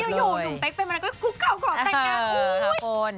และยกโยดุ่มเป๊กไปมาก็จะคุกก่อบเกราะแต่งงาน